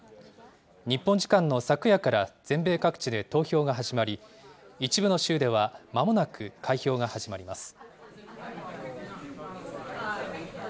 日本時間の昨夜から全米各地で投票が始まり、一部の州ではまもなく開票が始まります。